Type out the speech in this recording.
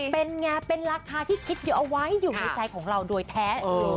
เป็นไงเป็นราคาที่คิดอยู่เอาไว้อยู่ในใจของเราโดยแท้